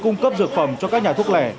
một hộp là tám trăm linh